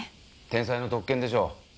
天才の特権でしょう。